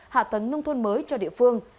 hạ tấng nông thôn mới cho địa phương